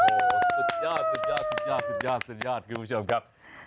โอ้โหสัญญาณสัญญาณสัญญาณคุณผู้ชมครับ